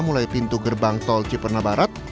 mulai pintu gerbang tol cipana barat